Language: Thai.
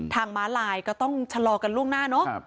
ม้าลายก็ต้องชะลอกันล่วงหน้าเนอะ